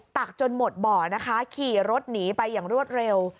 จนหมดบ่อนะคะขี่รถหนีไปอย่างรวดเร็ว